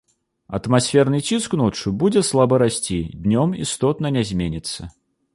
Атмасферны ціск ноччу будзе слаба расці, днём істотна не зменіцца.